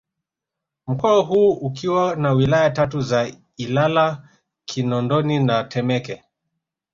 Mkoa huo ukiwa na Wilaya tatu za Ilala Kinondoni na Temeke